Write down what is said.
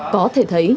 có thể thấy